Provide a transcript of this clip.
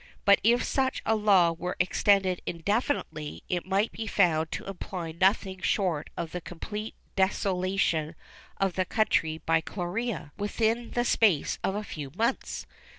But if such a law were extended indefinitely it might be found to imply nothing short of the complete desolation of the country by cholera, within the space of a few months.